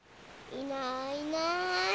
いないいない。